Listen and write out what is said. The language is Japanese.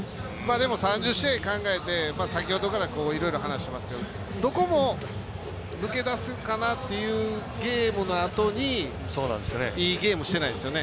でも３０試合考えて先ほどからいろいろ話してますけどどこも、抜け出すかなというゲームのあとにいいゲームしてないですよね。